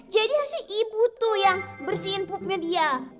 jadi harusnya ibu tuh yang bersihin pupnya dia